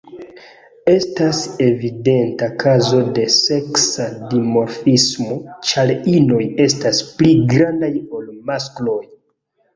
Estas evidenta kazo de seksa dimorfismo, ĉar inoj estas pli grandaj ol maskloj.